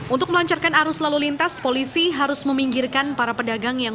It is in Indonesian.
untuk melancarkan arus lalu lintas polisi harus melakukan penyelenggaraan